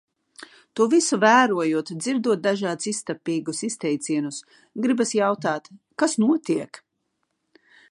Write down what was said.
To visu vērojot, dzirdot dažādus iztapīgus izteicienus, gribas jautāt: kas notiek?